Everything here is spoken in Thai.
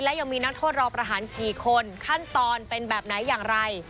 และยังมีนักโทษรอประหารกี่คนขั้นตอนเป็นแบบไหนอย่างไร